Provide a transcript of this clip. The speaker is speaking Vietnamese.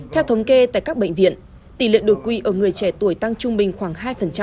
theo thống kê tại các bệnh viện tỷ lệ đột quỵ ở người trẻ tuổi tăng trung bình khoảng hai